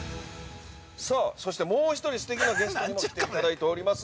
◆さあ、そしてもう一人すてきなゲストにも来ていただいております。